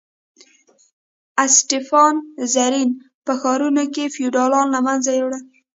اسټپان رزین په ښارونو کې فیوډالان له منځه یوړل.